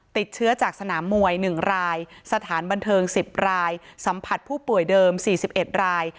ติดเชื้อจากสนามมวย๑รายสถานบันเทิง๑๐รายสัมผัสผู้ป่วยเดิม๔๑ราย